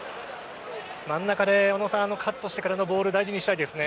真ん中でカットしてからのボール大事にしたいですね。